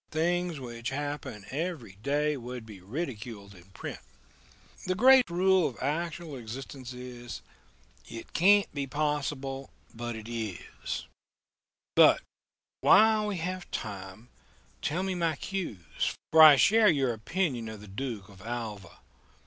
Things which happen every day would be ridiculed in print. The great rule of actual existence is: 'It can't be possible, but it is!' But, while we have time, tell me my cues, for I share your opinion of the Duke of Alva.